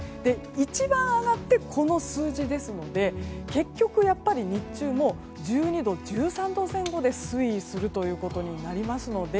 一番上がってこの数字ですので結局、やっぱり日中も１２度、１３度前後で推移するということになりますので。